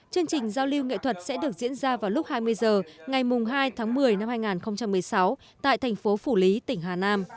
chương trình giao lưu nghệ thuật sẽ được diễn ra vào lúc hai mươi h ngày hai tháng một mươi năm hai nghìn một mươi sáu tại thành phố phủ lý tỉnh hà nam